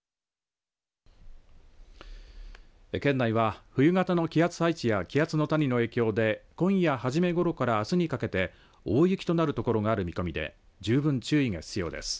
県内は冬型の気圧配置や気圧の谷の影響で今夜はじめごろからあすにかけて大雪となる所がある見込みで十分注意が必要です。